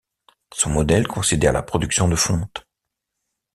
Son modèle considère la production de fonte.